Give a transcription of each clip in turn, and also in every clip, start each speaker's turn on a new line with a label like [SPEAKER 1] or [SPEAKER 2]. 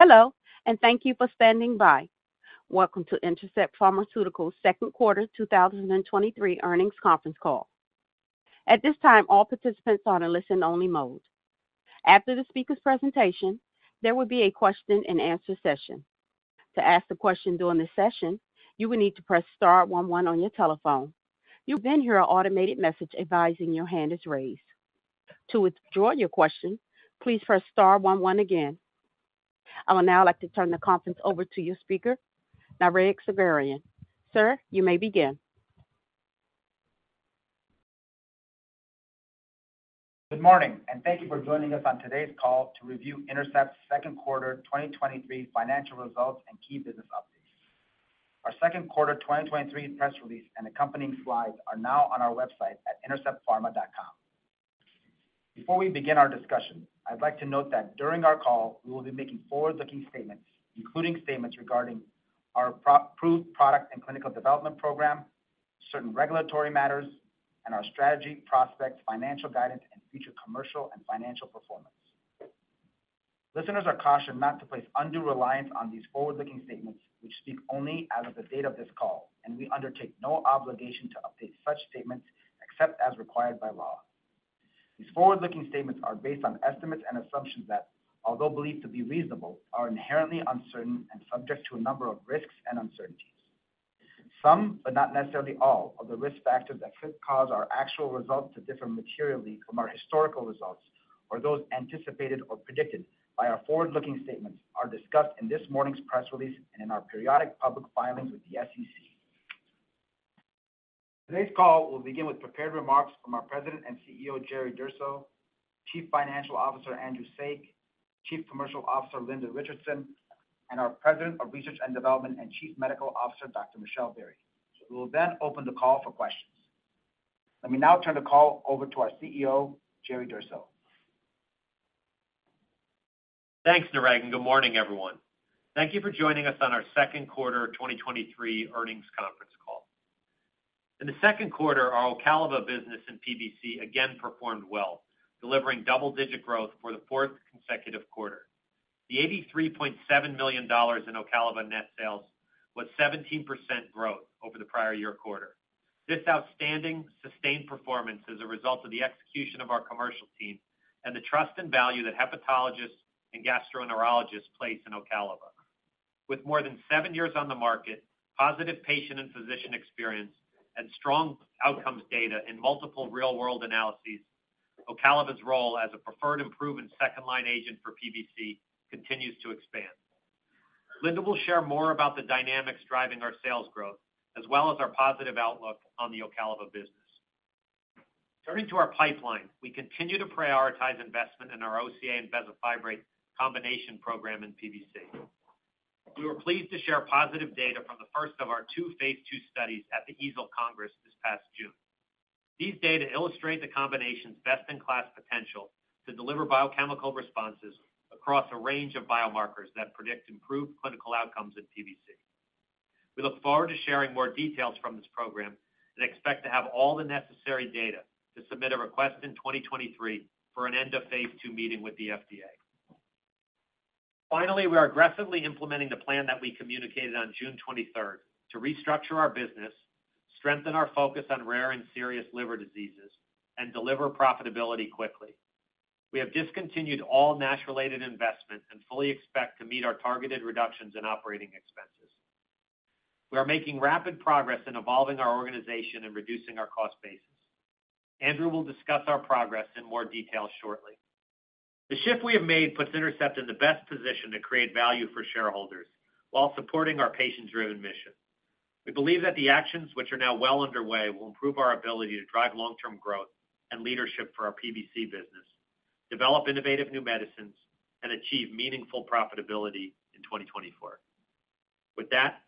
[SPEAKER 1] Hello, thank you for standing by. Welcome to Intercept Pharmaceuticals' Q2 2023 earnings conference call. At this time, all participants are in a listen-only mode. After the speaker's presentation, there will be a question-and-answer session. To ask a question during this session, you will need to press star one one on your telephone. You'll hear an automated message advising your hand is raised. To withdraw your question, please press star one one again. I would now like to turn the conference over to you, speaker, Nareg Sagherian. Sir, you may begin.
[SPEAKER 2] Good morning, thank you for joining us on today's call to review Intercept's Q2 2023 financial results and key business updates. Our Q2 2023 press release and accompanying slides are now on our website at interceptpharma.com. Before we begin our discussion, I'd like to note that during our call, we will be making forward-looking statements, including statements regarding our pro-approved product and clinical development program, certain regulatory matters, and our strategy, prospects, financial guidance, and future commercial and financial performance. Listeners are cautioned not to place undue reliance on these forward-looking statements, which speak only as of the date of this call, and we undertake no obligation to update such statements except as required by law. These forward-looking statements are based on estimates and assumptions that, although believed to be reasonable, are inherently uncertain and subject to a number of risks and uncertainties. Some, but not necessarily all, of the risk factors that could cause our actual results to differ materially from our historical results or those anticipated or predicted by our forward-looking statements are discussed in this morning's press release and in our periodic public filings with the SEC. Today's call will begin with prepared remarks from our President and CEO, Jerome Durso, Chief Financial Officer, Andrew Saik, Chief Commercial Officer, Linda Richardson, and our President of Research and Development and Chief Medical Officer, Dr. Michelle Berrey. We will then open the call for questions. Let me now turn the call over to our CEO, Jerome Durso.
[SPEAKER 3] Thanks, Nareg. Good morning, everyone. Thank you for joining us on our Q2 2023 earnings conference call. In the Q2, our Q2 business in PBC again performed well, delivering double-digit growth for the fourth consecutive quarter. The $83.7 million in Ocaliva net sales was 17% growth over the prior year quarter. This outstanding sustained performance is a result of the execution of our commercial team and the trust and value that hepatologists and gastroenterologists place in Ocaliva. With more than seven years on the market, positive patient and physician experience, and strong outcomes data in multiple real-world analyses, Ocaliva's role as a preferred improvement second-line agent for PBC continues to expand. Linda will share more about the dynamics driving our sales growth, as well as our positive outlook on the Ocaliva business. Turning to our pipeline, we continue to prioritize investment in our Ocaliva and bezafibrate combination program in PBC. We were pleased to share positive data from the first of our two phase II studies at the EASL Congress this past June. These data illustrate the combination's best-in-class potential to deliver biochemical responses across a range of biomarkers that predict improved clinical outcomes in PBC. We look forward to sharing more details from this program and expect to have all the necessary data to submit a request in 2023 for an end-of-phase II meeting with the FDA. Finally, we are aggressively implementing the plan that we communicated on June 23rd to restructure our business, strengthen our focus on rare and serious liver diseases, and deliver profitability quickly. We have discontinued all NASH-related investment and fully expect to meet our targeted reductions in operating expenses. We are making rapid progress in evolving our organization and reducing our cost basis. Andrew will discuss our progress in more detail shortly. The shift we have made puts Intercept in the best position to create value for shareholders while supporting our patient-driven mission. We believe that the actions, which are now well underway, will improve our ability to drive long-term growth and leadership for our PBC business, develop innovative new medicines, and achieve meaningful profitability in 2024. With that,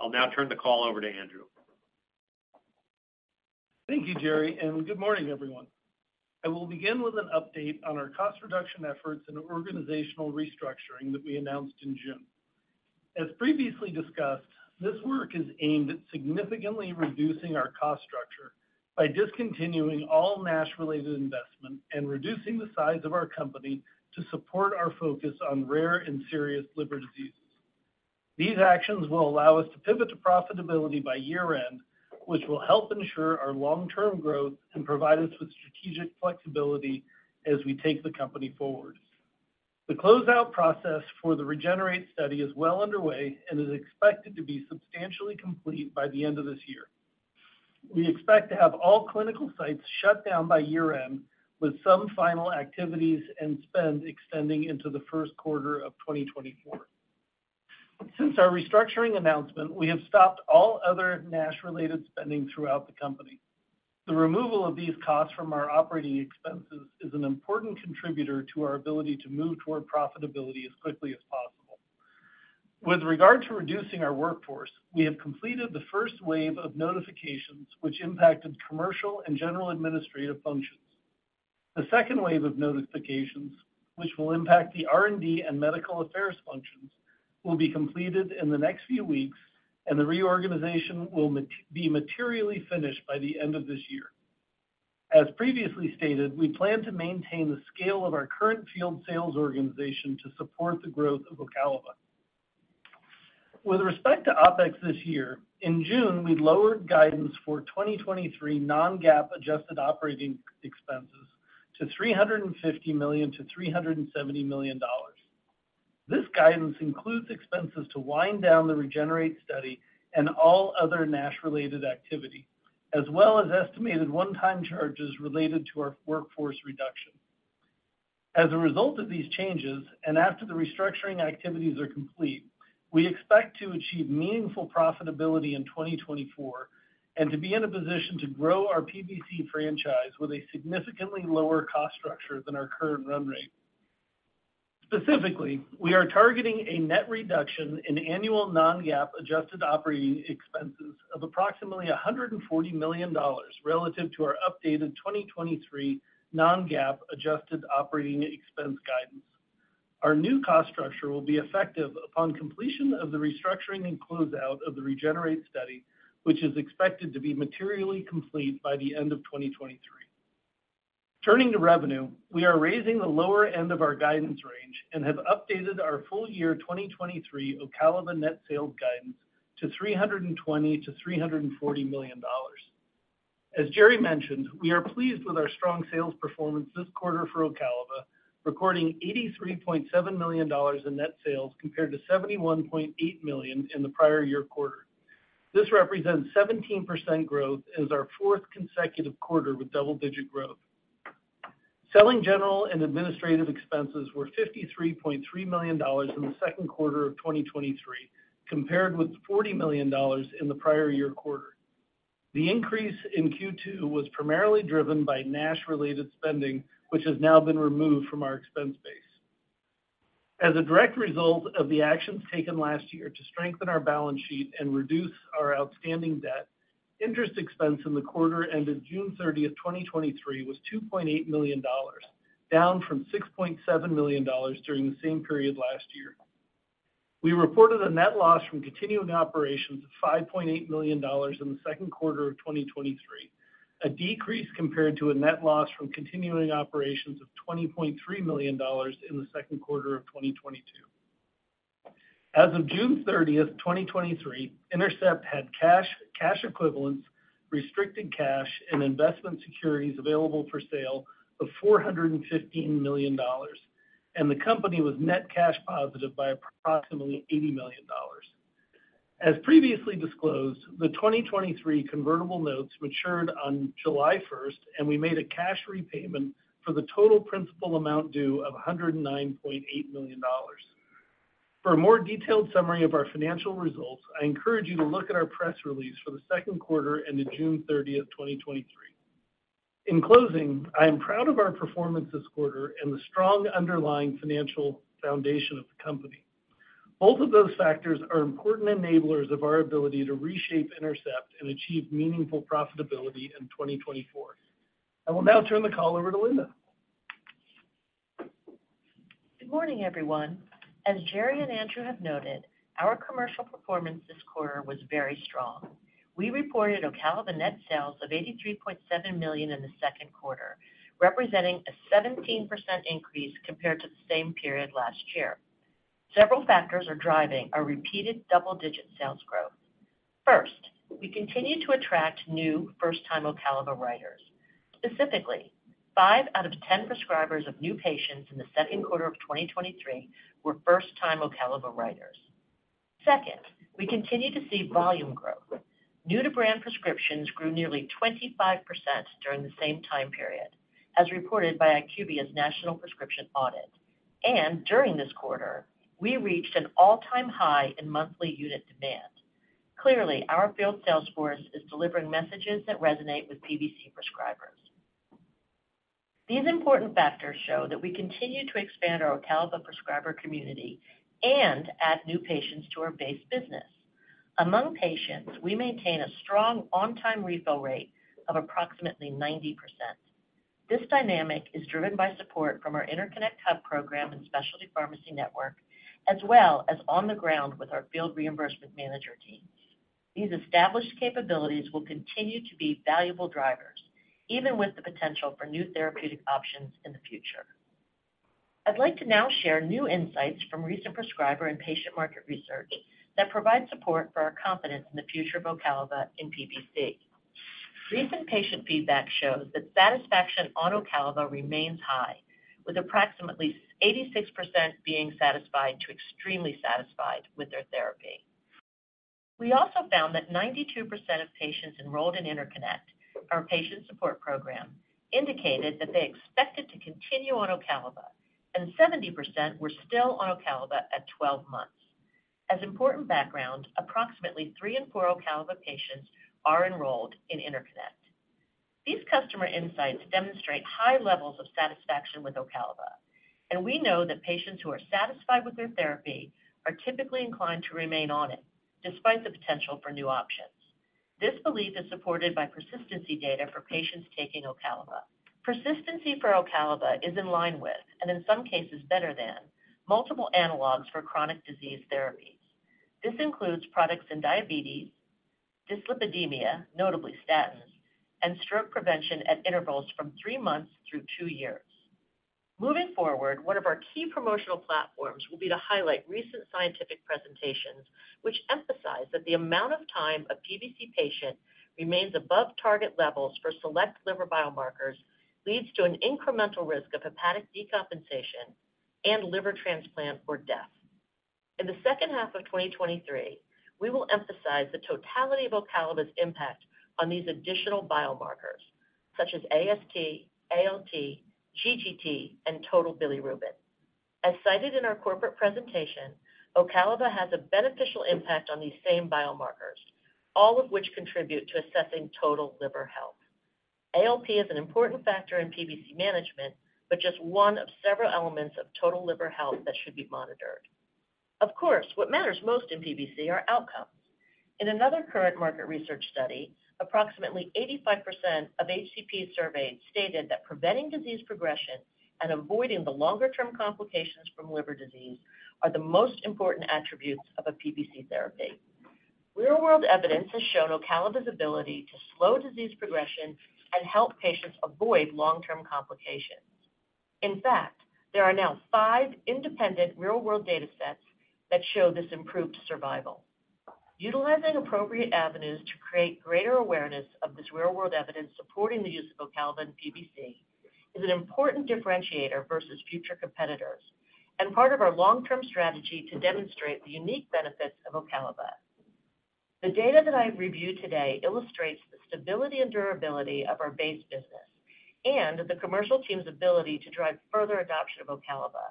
[SPEAKER 3] I'll now turn the call over to Andrew.
[SPEAKER 4] Thank you, Jerry, and good morning, everyone. I will begin with an update on our cost reduction efforts and organizational restructuring that we announced in June. As previously discussed, this work is aimed at significantly reducing our cost structure by discontinuing all NASH-related investment and reducing the size of our company to support our focus on rare and serious liver diseases. These actions will allow us to pivot to profitability by year-end, which will help ensure our long-term growth and provide us with strategic flexibility as we take the company forward. The closeout process for the REGENERATE study is well underway and is expected to be substantially complete by the end of this year. We expect to have all clinical sites shut down by year-end, with some final activities and spend extending into the Q1 of 2024. Since our restructuring announcement, we have stopped all other NASH-related spending throughout the company. The removal of these costs from our operating expenses is an important contributor to our ability to move toward profitability as quickly as possible. With regard to reducing our workforce, we have completed the first wave of notifications, which impacted commercial and general administrative functions. The second wave of notifications, which will impact the R&D and medical affairs functions, will be completed in the next few weeks, and the reorganization will be materially finished by the end of this year. As previously stated, we plan to maintain the scale of our current field sales organization to support the growth of Ocaliva. With respect to OpEx this year, in June, we lowered guidance for 2023 non-GAAP adjusted operating expenses to $350-$370 million. This guidance includes expenses to wind down the REGENERATE study and all other NASH-related activity, as well as estimated one-time charges related to our workforce reduction. As a result of these changes, after the restructuring activities are complete, we expect to achieve meaningful profitability in 2024, and to be in a position to grow our PBC franchise with a significantly lower cost structure than our current run rate. Specifically, we are targeting a net reduction in annual non-GAAP adjusted operating expenses of approximately $140 million relative to our updated 2023 non-GAAP adjusted operating expense guidance. Our new cost structure will be effective upon completion of the restructuring and closeout of the REGENERATE study, which is expected to be materially complete by the end of 2023. Turning to revenue, we are raising the lower end of our guidance range and have updated our full year 2023 Ocaliva net sales guidance to $320-$340 million. As Jerry mentioned, we are pleased with our strong sales performance this quarter for Ocaliva, recording $83.7 million in net sales, compared to $71.8 million in the prior year quarter. This represents 17% growth and is our 4th consecutive quarter with double-digit growth. Selling, General & Administrative expenses were $53.3 million in the Q2 of 2023, compared with $40 million in the prior year quarter. The increase in Q2 was primarily driven by NASH-related spending, which has now been removed from our expense base. As a direct result of the actions taken last year to strengthen our balance sheet and reduce our outstanding debt, interest expense in the quarter ended June 30, 2023, was $2.8 million, down from $6.7 million during the same period last year. We reported a net loss from continuing operations of $5.8 million in the Q2 of 2023, a decrease compared to a net loss from continuing operations of $20.3 million in the Q2 of 2022. As of June 30, 2023, Intercept had cash, cash equivalents, restricted cash, and investment securities available for sale of $415 million, and the company was net cash positive by approximately $80 million. As previously disclosed, the 2023 convertible notes matured on July 1st, and we made a cash repayment for the total principal amount due of $109.8 million. For a more detailed summary of our financial results, I encourage you to look at our press release for the Q2 ended June 30th, 2023. In closing, I am proud of our performance this quarter and the strong underlying financial foundation of the company. Both of those factors are important enablers of our ability to reshape Intercept and achieve meaningful profitability in 2024. I will now turn the call over to Linda.
[SPEAKER 5] Good morning, everyone. As Jerry and Andrew have noted, our commercial performance this quarter was very strong. We reported Ocaliva net sales of $83.7 million in the Q2, representing a 17% increase compared to the same period last year. Several factors are driving our repeated double-digit sales growth. First, we continue to attract new first-time Ocaliva writers. Specifically, five out of 10 prescribers of new patients in the Q2 of 2023 were first-time Ocaliva writers. Second, we continue to see volume growth. New-to-brand prescriptions grew nearly 25% during the same time period, as reported by IQVIA's National Prescription Audit. During this quarter, we reached an all-time high in monthly unit demand. Clearly, our field sales force is delivering messages that resonate with PBC prescribers. These important factors show that we continue to expand our Ocaliva prescriber community and add new patients to our base business. Among patients, we maintain a strong on-time refill rate of approximately 90%. This dynamic is driven by support from our INTERCONNECT hub program and Specialty Pharmacy Network, as well as on the ground with our field reimbursement manager team. These established capabilities will continue to be valuable drivers, even with the potential for new therapeutic options in the future. I'd like to now share new insights from recent prescriber and patient market research that provides support for our confidence in the future of Ocaliva in PBC. Recent patient feedback shows that satisfaction on Ocaliva remains high, with approximately 86% being satisfied to extremely satisfied with their therapy. We also found that 92% of patients enrolled in INTERCONNECT, our patient support program, indicated that they expected to continue on Ocaliva, and 70% were still on Ocaliva at 12 months. As important background, approximately three in four Ocaliva patients are enrolled in INTERCONNECT. These customer insights demonstrate high levels of satisfaction with Ocaliva, and we know that patients who are satisfied with their therapy are typically inclined to remain on it, despite the potential for new options. This belief is supported by persistency data for patients taking Ocaliva. Persistency for Ocaliva is in line with, and in some cases better than, multiple analogs for chronic disease therapies. This includes products in diabetes, dyslipidemia, notably statins, and stroke prevention at intervals from three months through two years. Moving forward, one of our key promotional platforms will be to highlight recent scientific presentations, which emphasize that the amount of time a PBC patient remains above target levels for select liver biomarkers leads to an incremental risk of hepatic decompensation and liver transplant or death. In the second half of 2023, we will emphasize the totality of Ocaliva's impact on these additional biomarkers, such as AST, ALT, GGT, and total bilirubin. As cited in our corporate presentation, Ocaliva has a beneficial impact on these same biomarkers, all of which contribute to assessing total liver health. ALP is an important factor in PBC management, but just one of several elements of total liver health that should be monitored. Of course, what matters most in PBC are outcomes. In another current market research study, approximately 85% of HCP surveyed stated that preventing disease progression and avoiding the longer-term complications from liver disease are the most important attributes of a PBC therapy. Real-world evidence has shown Ocaliva's ability to slow disease progression and help patients avoid long-term complications. In fact, there are now five independent real-world datasets that show this improved survival. Utilizing appropriate avenues to create greater awareness of this real-world evidence supporting the use of Ocaliva in PBC is an important differentiator versus future competitors and part of our long-term strategy to demonstrate the unique benefits of Ocaliva. The data that I've reviewed today illustrates the stability and durability of our base business and the commercial team's ability to drive further adoption of Ocaliva.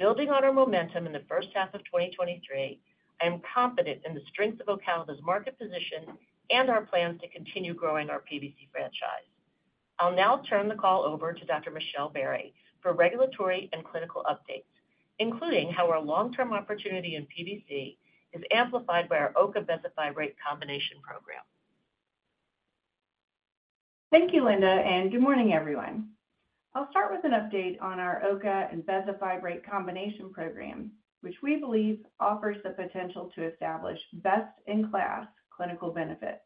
[SPEAKER 5] Building on our momentum in the first half of 2023, I am confident in the strength of Ocaliva's market position and our plans to continue growing our PBC franchise. I'll now turn the call over to Dr. Michelle Berrey for regulatory and clinical updates, including how our long-term opportunity in PBC is amplified by our Ocaliva bezafibrate combination program.
[SPEAKER 6] Thank you, Linda. Good morning, everyone. I'll start with an update on our OCA and bezafibrate combination program, which we believe offers the potential to establish best-in-class clinical benefits.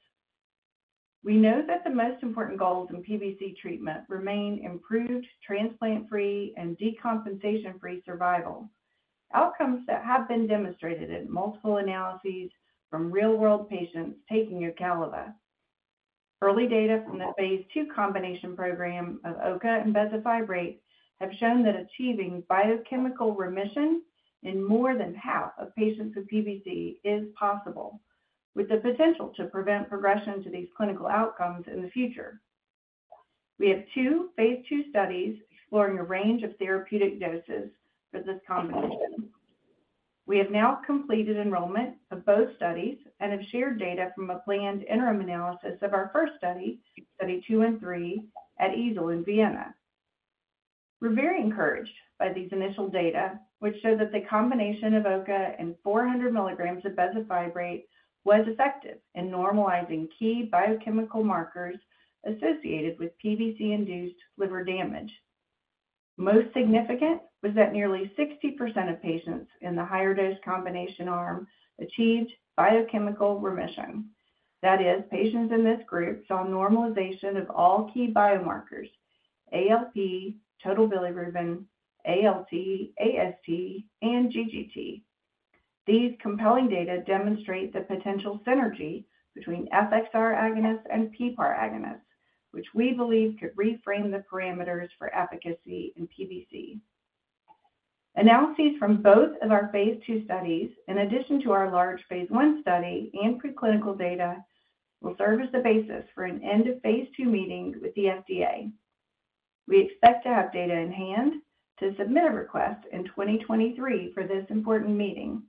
[SPEAKER 6] We know that the most important goals in PBC treatment remain improved, transplant-free, and decompensation-free survival, outcomes that have been demonstrated in multiple analyses from real-world patients taking Ocaliva. Early data from the phase II combination program of OCA and bezafibrate have shown that achieving biochemical remission in more than half of patients with PBC is possible, with the potential to prevent progression to these clinical outcomes in the future. We have two phase II studies exploring a range of therapeutic doses for this combination. We have now completed enrollment of both studies and have shared data from a planned interim analysis of our first study, Study 213, at EASL in Vienna. We're very encouraged by these initial data, which show that the combination of OCA and 400 mg of bezafibrate was effective in normalizing key biochemical markers associated with PBC-induced liver damage. Most significant was that nearly 60% of patients in the higher dose combination arm achieved biochemical remission. That is, patients in this group saw normalization of all key biomarkers: ALP, total bilirubin, ALT, AST, and GGT. These compelling data demonstrate the potential synergy between FXR agonists and PPAR agonists, which we believe could reframe the parameters for efficacy in PBC. Analyses from both of our phase II studies, in addition to our large phase I study and preclinical data, will serve as the basis for an end-of-phase II meeting with the FDA. We expect to have data in hand to submit a request in 2023 for this important meeting.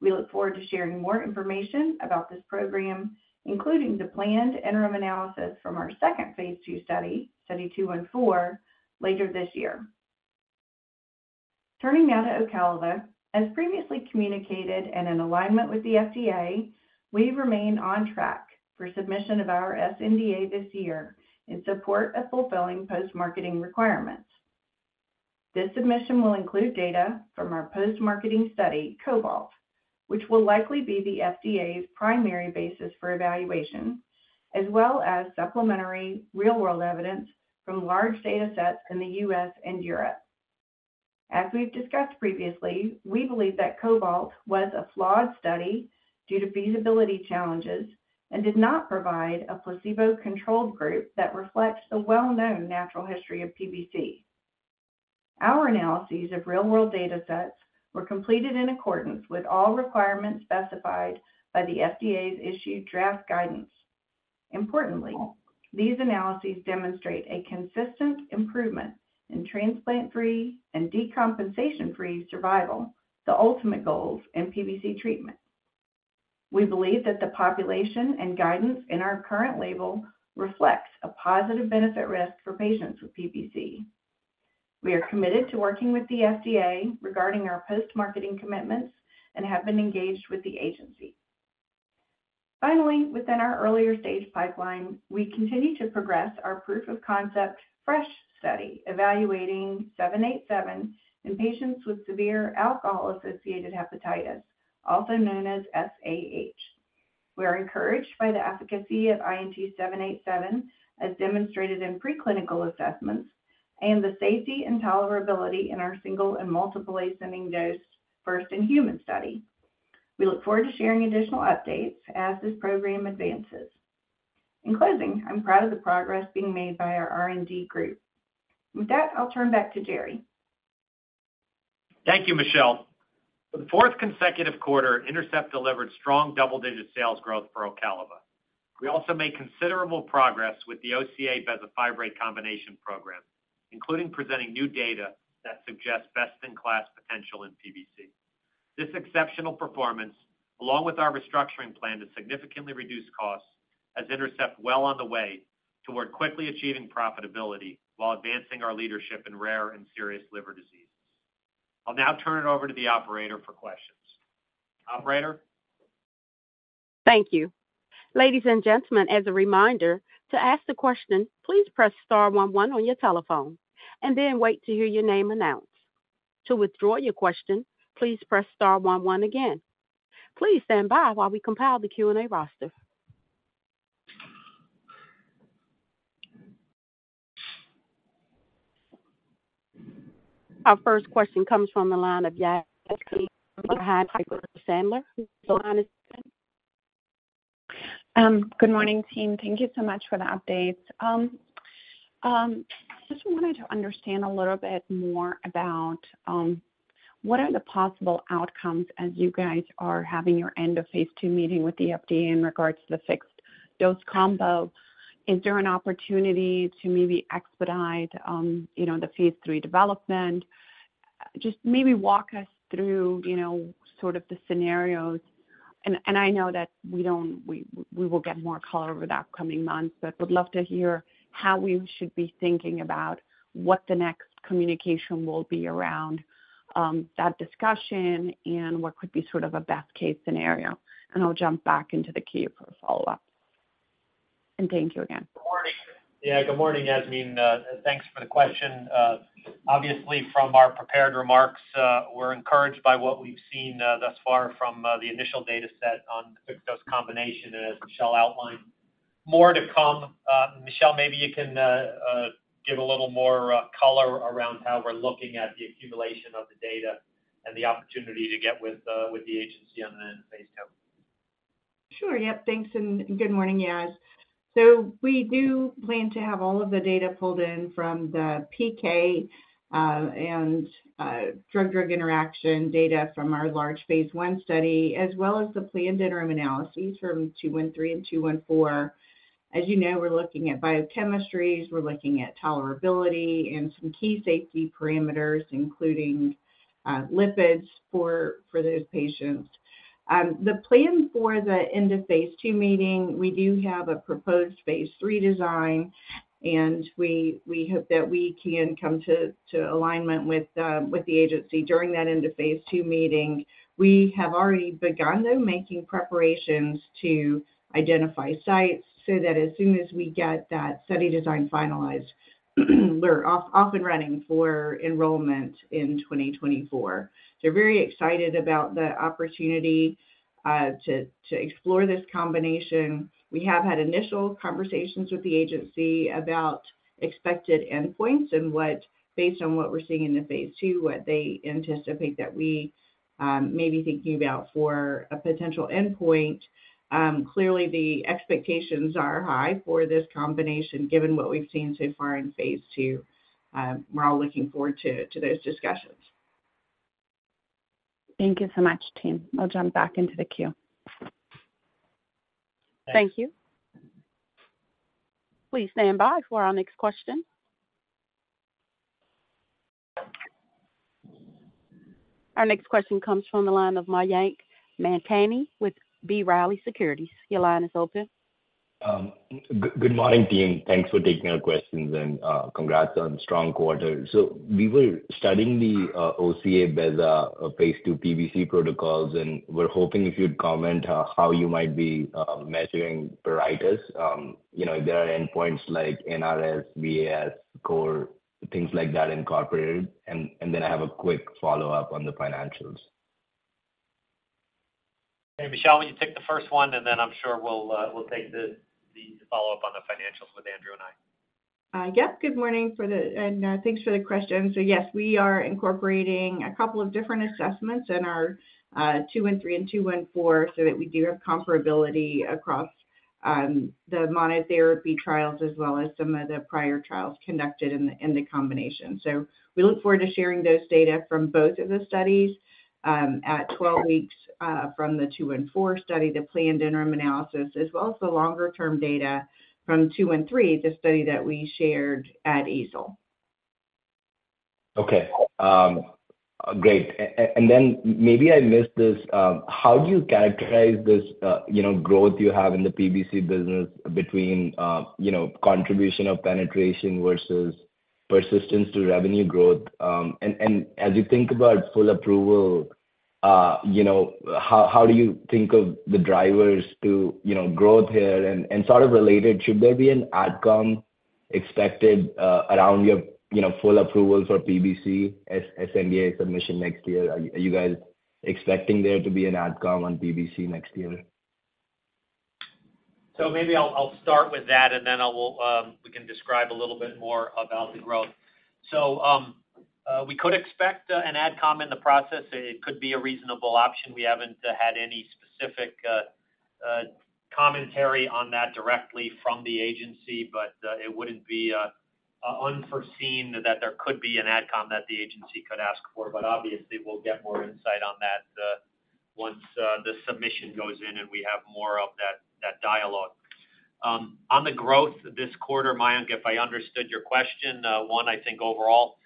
[SPEAKER 6] We look forward to sharing more information about this program, including the planned interim analysis from our second phase II study, Study 214, later this year. Turning now to Ocaliva. As previously communicated and in alignment with the FDA, we remain on track for submission of our sNDA this year in support of fulfilling post-marketing requirements. This submission will include data from our post-marketing study, COBALT, which will likely be the FDA's primary basis for evaluation, as well as supplementary real-world evidence from large datasets in the US and Europe. As we've discussed previously, we believe that COBALT was a flawed study due to feasibility challenges and did not provide a placebo-controlled group that reflects the well-known natural history of PBC. Our analyses of real-world datasets were completed in accordance with all requirements specified by the FDA's issued draft guidance. Importantly, these analyses demonstrate a consistent improvement in transplant-free and decompensation-free survival, the ultimate goals in PBC treatment. We believe that the population and guidance in our current label reflects a positive benefit risk for patients with PBC. We are committed to working with the FDA regarding our post-marketing commitments and have been engaged with the agency. Finally, within our earlier-stage pipeline, we continue to progress our proof of concept, FRESH study, evaluating INT-787 in patients with severe alcohol-associated hepatitis, also known as SAH. We are encouraged by the efficacy of INT-787, as demonstrated in preclinical assessments, and the safety and tolerability in our single and multiple ascending dose first in human study. We look forward to sharing additional updates as this program advances. In closing, I'm proud of the progress being made by our R&D group. With that, I'll turn back to Jerry.
[SPEAKER 3] Thank you, Michelle. For the fourth consecutive quarter, Intercept delivered strong double-digit sales growth for Ocaliva. We also made considerable progress with the Ocaliva bezafibrate combination program, including presenting new data that suggests best-in-class potential in PBC. This exceptional performance, along with our restructuring plan to significantly reduce costs, has Intercept well on the way toward quickly achieving profitability while advancing our leadership in rare and serious liver diseases. I'll now turn it over to the operator for questions. Operator?
[SPEAKER 1] Thank you. Ladies and gentlemen, as a reminder, to ask a question, please press star one one on your telephone and then wait to hear your name announced. To withdraw your question, please press star one one again. Please stand by while we compile the Q&A roster. Our first question comes from the line of Yasmeen Rahimi. Your line is open.
[SPEAKER 7] Good morning, team. Thank you so much for the updates. Just wanted to understand a little bit more about what are the possible outcomes as you guys are having your end of phase II meeting with the FDA in regards to the fixed-dose combo? Is there an opportunity to maybe expedite, you know, the phase III development? Just maybe walk us through, you know, sort of the scenarios. I know that we will get more color over the upcoming months, but would love to hear how we should be thinking about what the next communication will be around that discussion and what could be sort of a best-case scenario. I'll jump back into the queue for follow-up. Thank you again.
[SPEAKER 3] Good morning. Yeah, good morning, Yasmeen. Thanks for the question. Obviously, from our prepared remarks, we're encouraged by what we've seen thus far from the initial data set on the fixed-dose combination, as Michelle outlined. More to come. Michelle, maybe you can give a little more color around how we're looking at the accumulation of the data and the opportunity to get with the agency on the end of phase II.
[SPEAKER 6] Sure. Yep, thanks. Good morning, Yas. We do plan to have all of the data pulled in from the PK and drug-drug interaction data from our large phase I study, as well as the planned interim analyses from 213 and 214. As you know, we're looking at biochemistries, we're looking at tolerability and some key safety parameters, including lipids for those patients. The plan for the end of phase II meeting, we do have a proposed phase III design, and we hope that we can come to alignment with the agency during that end of phase II meeting. We have already begun, though, making preparations to identify sites so that as soon as we get that study design finalized, we're off, off and running for enrollment in 2024. Very excited about the opportunity, to, to explore this combination. We have had initial conversations with the agency about expected endpoints and what, based on what we're seeing in the phase II, what they anticipate that we may be thinking about for a potential endpoint. Clearly, the expectations are high for this combination, given what we've seen so far in phase II. We're all looking forward to, to those discussions.
[SPEAKER 7] Thank you so much, team. I'll jump back into the queue.
[SPEAKER 1] Thank you. Please stand by for our next question. Our next question comes from the line of Mayank Mamtani with B. Riley Securities. Your line is open.
[SPEAKER 8] Good morning, team. Thanks for taking our questions, congrats on strong quarter. We were studying the OCA beza, phase II PBC protocols, and we're hoping if you'd comment on how you might be measuring pruritus. You know, if there are endpoints like NRS, VAS, CORE, things like that incorporated. Then I have a quick follow-up on the financials.
[SPEAKER 3] Hey, Michelle, will you take the first one, and then I'm sure we'll, we'll take the, the follow-up on the financials with Andrew and I.
[SPEAKER 6] Yes. Good morning. Thanks for the question. Yes, we are incorporating a couple of different assessments in our 213 and 214, so that we do have comparability across the monotherapy trials, as well as some of the prior trials conducted in the, in the combination. We look forward to sharing those data from both of the studies, at 12 weeks from the 214 study, the planned interim analysis, as well as the longer-term data from 213, the study that we shared at EASL.
[SPEAKER 8] Okay. great. Then maybe I missed this. How do you characterize this, you know, growth you have in the PBC business between, you know, contribution of penetration versus persistence to revenue growth. As you think about full approval, you know, how, how do you think of the drivers to, you know, growth here? Sort of related, should there be an ad comm expected around your, you know, full approval for PBC as, as NDA submission next year? Are you, you guys expecting there to be an ad comm on PBC next year?
[SPEAKER 3] Maybe I'll, I'll start with that, and then I'll, we can describe a little bit more about the growth. We could expect an AdComm in the process. It could be a reasonable option. We haven't had any specific commentary on that directly from the agency, it wouldn't be unforeseen that there could be an AdComm that the agency could ask for. Obviously, we'll get more insight on that once the submission goes in, and we have more of that, that dialogue. On the growth this quarter, Mayank, if I understood your question, one, I think overall,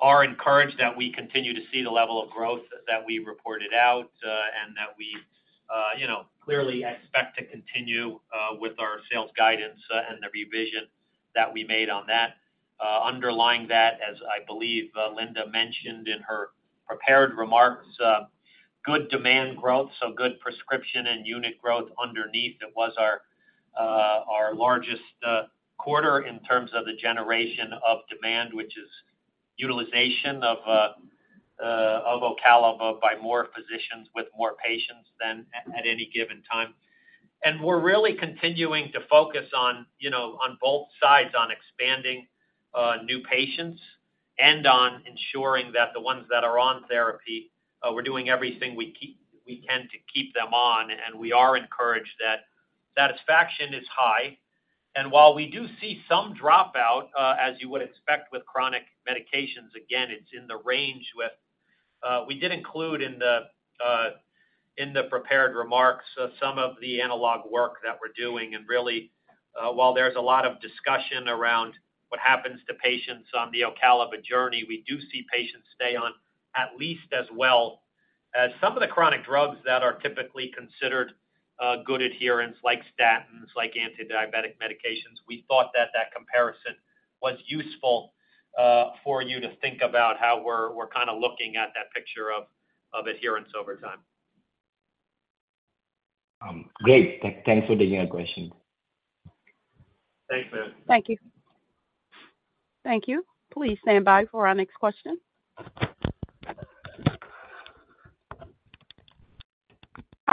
[SPEAKER 3] are encouraged that we continue to see the level of growth that we reported out, and that we, you know, clearly expect to continue with our sales guidance, and the revision that we made on that. Underlying that, as I believe, Linda mentioned in her prepared remarks, good demand growth, so good prescription and unit growth underneath. It was our largest quarter in terms of the generation of demand, which is utilization of Ocaliva by more physicians with more patients than at any given time. We're really continuing to focus on, you know, on both sides, on expanding new patients and on ensuring that the ones that are on therapy, we're doing everything we can to keep them on, and we are encouraged that satisfaction is high. While we do see some dropout, as you would expect with chronic medications, again, it's in the range with... We did include in the prepared remarks, some of the analog work that we're doing. Really, while there's a lot of discussion around what happens to patients on the Ocaliva journey, we do see patients stay on at least as well as some of the chronic drugs that are typically considered good adherence, like statins, like antidiabetic medications. We thought that that comparison was useful, for you to think about how we're, we're kinda looking at that picture of, of adherence over time.
[SPEAKER 8] Great. Thanks for taking our question.
[SPEAKER 3] Thanks, man.
[SPEAKER 6] Thank you.
[SPEAKER 1] Thank you. Please stand by for our next question.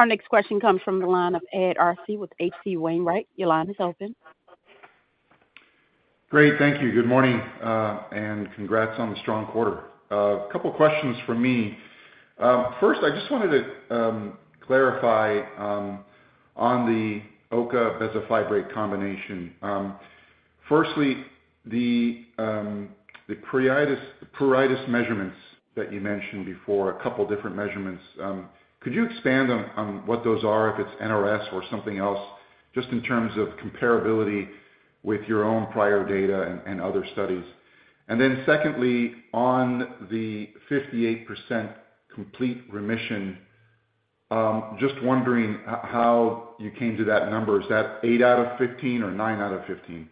[SPEAKER 1] Our next question comes from the line of Ed Arce with H.C. Wainwright. Your line is open.
[SPEAKER 9] Great. Thank you. Good morning, and congrats on the strong quarter. A couple of questions from me. First, I just wanted to clarify on the OCA bezafibrate combination. Firstly, the pruritus measurements that you mentioned before, a couple different measurements, could you expand on what those are, if it's NRS or something else, just in terms of comparability with your own prior data and other studies? Secondly, on the 58% complete remission, just wondering how you came to that number. Is that 8 out of 15 or 9 out of 15?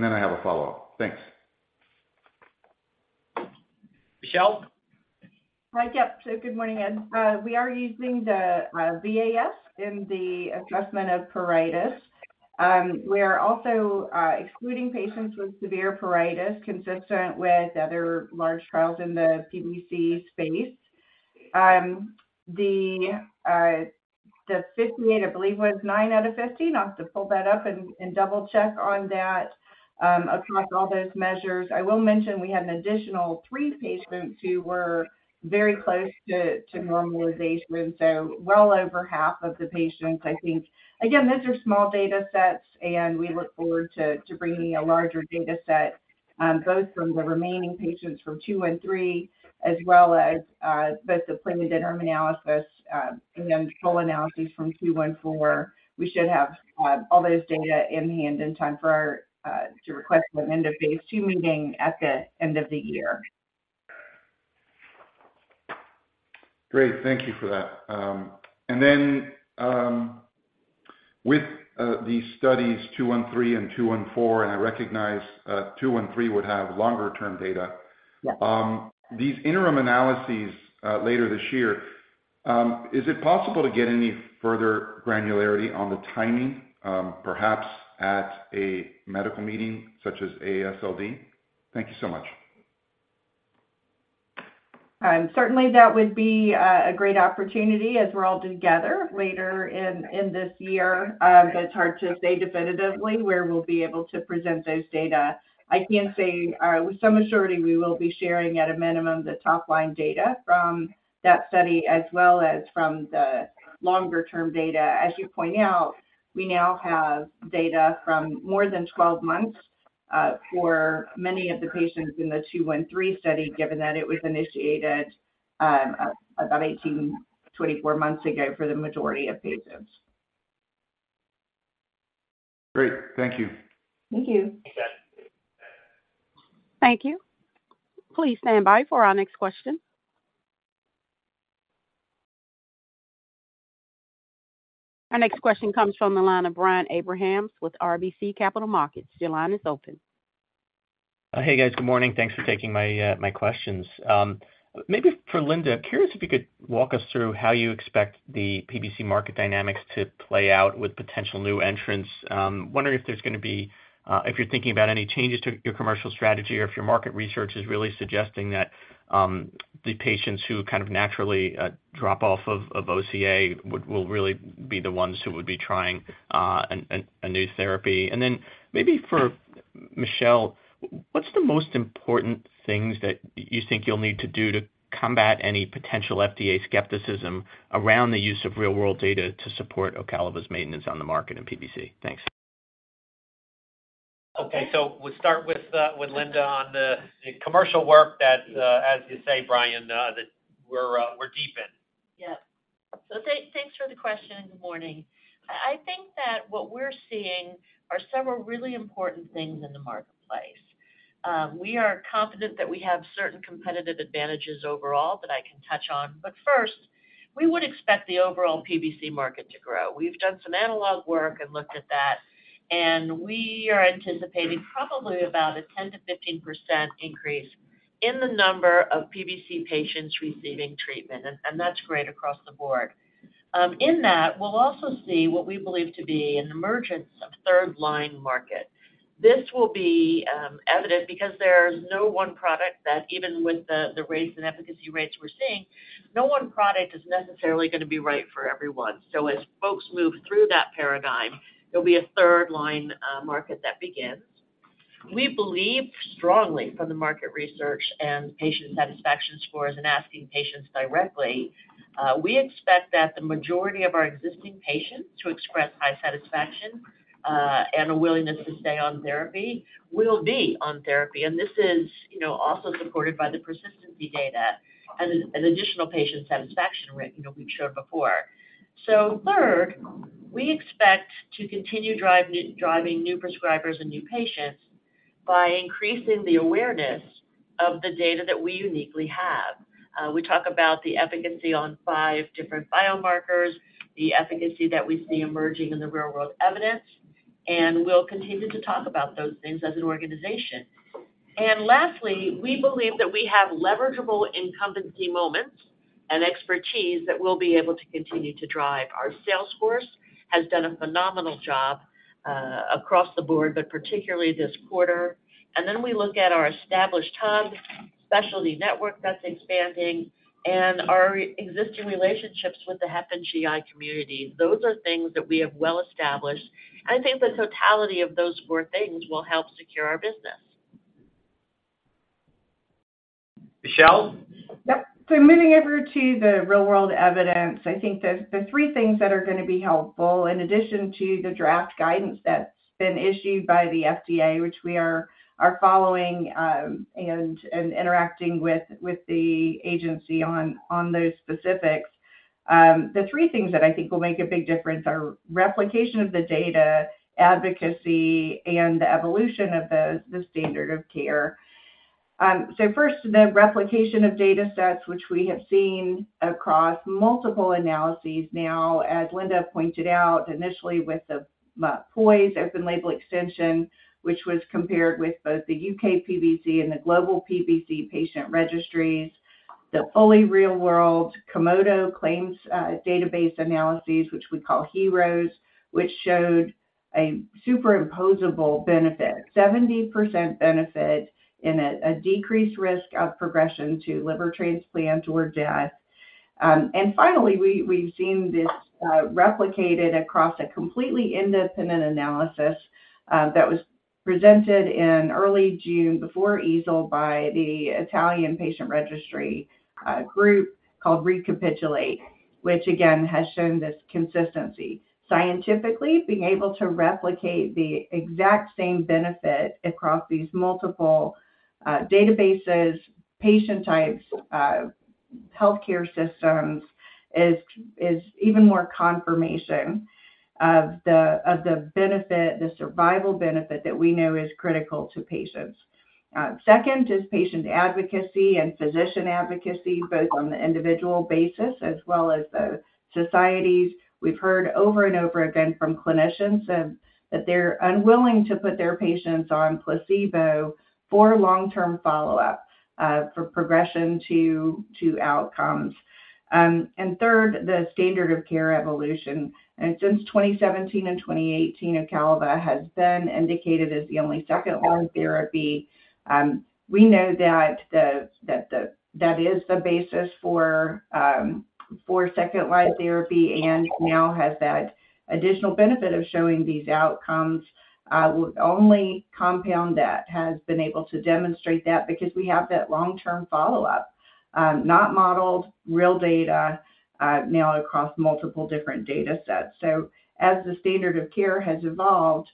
[SPEAKER 9] Then I have a follow-up. Thanks.
[SPEAKER 3] Michelle?
[SPEAKER 6] Right. Yep. Good morning, Ed. We are using the VAS in the assessment of pruritus. We are also excluding patients with severe pruritus, consistent with other large trials in the PBC space. The 58, I believe, was 9 out of 15. I'll have to pull that up and, and double-check on that across all those measures. I will mention we had an additional three patients who were very close to, to normalization, so well over half of the patients, I think. Again, these are small data sets, and we look forward to, to bringing a larger data set, both from the remaining patients from 213, as well as both the planned interim analysis, and then full analyses from 214. We should have, all those data in hand in time for our, to request an end-of-phase II meeting at the end of the year.
[SPEAKER 9] Great, thank you for that. With the Studies 213 and 214, and I recognize, Study 213 would have longer-term data.
[SPEAKER 6] Yes.
[SPEAKER 9] These interim analyses, later this year, is it possible to get any further granularity on the timing, perhaps at a medical meeting such as AASLD? Thank you so much.
[SPEAKER 6] Certainly, that would be a great opportunity as we're all together later in this year. It's hard to say definitively where we'll be able to present those data. I can say, with some surety, we will be sharing, at a minimum, the top-line data from that study, as well as from the longer-term data. As you point out, we now have data from more than 12 months for many of the patients in the 213 study, given that it was initiated about 18, 24 months ago for the majority of patients.
[SPEAKER 9] Great. Thank you.
[SPEAKER 6] Thank you.
[SPEAKER 3] Thanks.
[SPEAKER 1] Thank you. Please stand by for our next question. Our next question comes from the line of Brian Abrahams with RBC Capital Markets. Your line is open.
[SPEAKER 10] Hey, guys. Good morning. Thanks for taking my questions. Maybe for Linda, curious if you could walk us through how you expect the PBC market dynamics to play out with potential new entrants, wondering if there's gonna be, if you're thinking about any changes to your commercial strategy or if your market research is really suggesting that, the patients who kind of naturally, drop off of, of Ocaliva will really be the ones who would be trying a new therapy? Then maybe for Michelle, what's the most important things that you think you'll need to do to combat any potential FDA skepticism around the use of real-world data to support Ocaliva's maintenance on the market in PBC? Thanks.
[SPEAKER 3] Okay. We'll start with, with Linda on the, the commercial work that, as you say, Brian, that we're, we're deep in.
[SPEAKER 5] Yeah. Thanks, thanks for the question, and good morning. I, I think that what we're seeing are several really important things in the marketplace. We are confident that we have certain competitive advantages overall that I can touch on, but first, we would expect the overall PBC market to grow. We've done some analog work and looked at that, and we are anticipating probably about a 10%-15% increase in the number of PBC patients receiving treatment, and, and that's great across the board. In that, we'll also see what we believe to be an emergence of third-line market. This will be evident because there's no one product that, even with the, the rates and efficacy rates we're seeing, no one product is necessarily gonna be right for everyone. As folks move through that paradigm, there'll be a third-line market that begins. We believe strongly from the market research and patient satisfaction scores and asking patients directly, we expect that the majority of our existing patients to express high satisfaction, and a willingness to stay on therapy will be on therapy. This is, you know, also supported by the persistency data and an additional patient satisfaction rate, you know, we've showed before. Third, we expect to continue driving new prescribers and new patients by increasing the awareness of the data that we uniquely have. We talk about the efficacy on five different biomarkers, the efficacy that we see emerging in the real-world evidence, and we'll continue to talk about those things as an organization. Lastly, we believe that we have leverageable incumbency moments and expertise that we'll be able to continue to drive. Our sales force has done a phenomenal job, across the board, but particularly this quarter. Then we look at our established hub, specialty network that's expanding, and our existing relationships with the hepatology and gastroenterology communities. Those are things that we have well established, and I think the totality of those four things will help secure our business.
[SPEAKER 3] Michelle?
[SPEAKER 6] Yep. Moving over to the real-world evidence, I think the, the three things that are gonna be helpful, in addition to the draft guidance that's been issued by the FDA, which we are following and interacting with the agency on those specifics. The three things that I think will make a big difference are replication of the data, advocacy, and the evolution of the standard of care. First, the replication of datasets, which we have seen across multiple analyses. Now, as Linda pointed out, initially with the POISE open label extension, which was compared with both the UK PBC and the Global PBC patient registries, the fully real-world Komodo claims database analyses, which we call heroes, which showed a superimposable benefit, 70% benefit in a decreased risk of progression to liver transplant or death. Finally, we, we've seen this replicated across a completely independent analysis that was presented in early June before EASL by the Italian Patient Registry group called RECAPITULATE, which again, has shown this consistency. Scientifically, being able to replicate the exact same benefit across these multiple databases, patient types, healthcare systems, is, is even more confirmation of the, of the benefit, the survival benefit that we know is critical to patients. Second is patient advocacy and physician advocacy, both on the individual basis as well as the societies. We've heard over and over again from clinicians that they're unwilling to put their patients on placebo for long-term follow-up for progression to, to outcomes. Third, the standard of care evolution. Since 2017 and 2018, Ocaliva has been indicated as the only second-line therapy. We know that that is the basis for second-line therapy and now has that additional benefit of showing these outcomes with only compound that has been able to demonstrate that because we have that long-term follow-up, not modeled, real data, now across multiple different datasets. As the standard of care has evolved,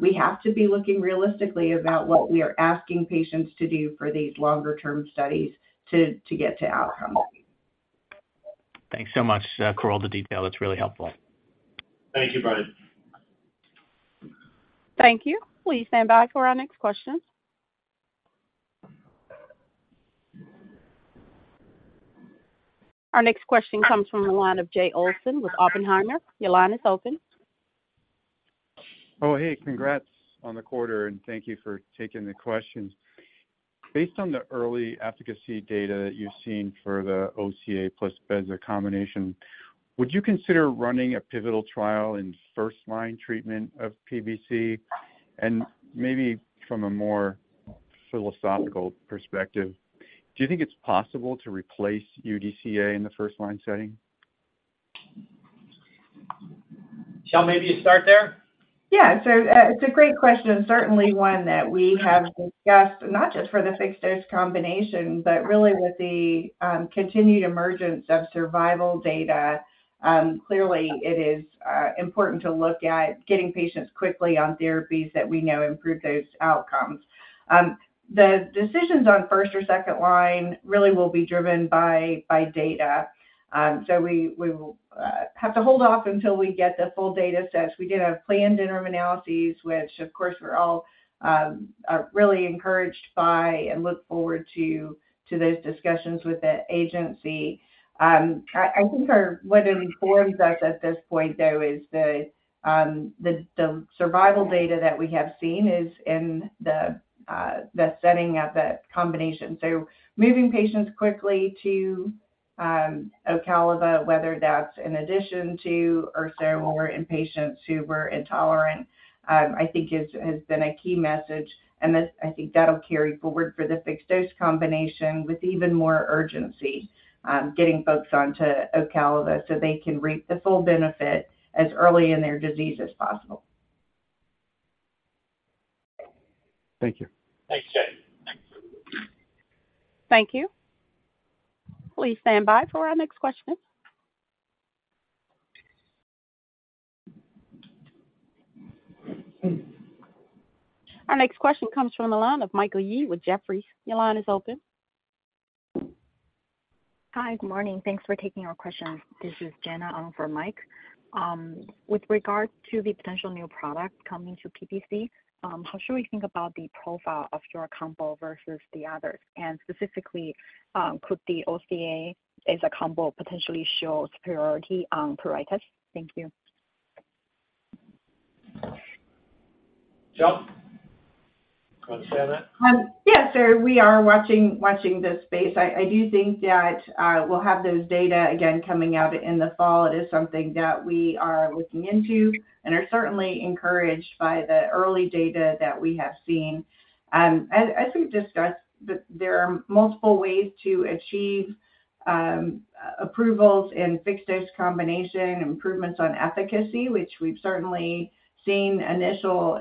[SPEAKER 6] we have to be looking realistically about what we are asking patients to do for these longer term studies to, to get to outcomes.
[SPEAKER 10] Thanks so much, for all the detail. That's really helpful.
[SPEAKER 3] Thank you, Brian.
[SPEAKER 6] Thank you. Please stand by for our next question.
[SPEAKER 1] Our next question comes from the line of Jay Olson with Oppenheimer. Your line is open.
[SPEAKER 11] Oh, hey, congrats on the quarter, and thank you for taking the questions. Based on the early efficacy data you've seen for the Ocaliva plus Beza combination, would you consider running a pivotal trial in first-line treatment of PBC? Maybe from a more philosophical perspective, do you think it's possible to replace UDCA in the first-line setting?
[SPEAKER 3] Shel, maybe you start there?
[SPEAKER 6] Yeah. It's a great question, certainly one that we have discussed, not just for the fixed-dose combination, but really with the continued emergence of survival data. Clearly, it is important to look at getting patients quickly on therapies that we know improve those outcomes. The decisions on first or second line really will be driven by, by data. We, we will have to hold off until we get the full data sets. We did have planned interim analyses, which, of course, we're all are really encouraged by and look forward to, to those discussions with the agency. I, I think our what informs us at this point, though, is the the the survival data that we have seen is in the the setting of the combination. Moving patients quickly to Ocaliva, whether that's in addition to ursodiol or in patients who were intolerant, I think has, has been a key message. I think that'll carry forward for the fixed-dose combination with even more urgency, getting folks onto Ocaliva so they can reap the full benefit as early in their disease as possible.
[SPEAKER 11] Thank you.
[SPEAKER 3] Thanks, Jay.
[SPEAKER 1] Thank you. Please stand by for our next question. Our next question comes from the line of Michael Yee with Jefferies. Your line is open.
[SPEAKER 12] Hi, good morning. Thanks for taking our questions. This is Jenna on for Mike. With regard to the potential new product coming to PBC, how should we think about the profile of your combo versus the others? Specifically, could the Ocaliva as a combo potentially show superiority on pruritus? Thank you.
[SPEAKER 3] Michelle, you want to say on that?
[SPEAKER 6] Yes, sir, we are watching, watching this space. I, I do think that we'll have those data again coming out in the fall. It is something that we are looking into and are certainly encouraged by the early data that we have seen. As, as we've discussed, there are multiple ways to achieve approvals in fixed-dose combination, improvements on efficacy, which we've certainly seen initial